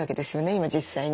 今実際に。